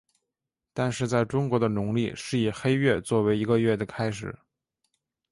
但是在中国的农历是以黑月做为一个月的开始。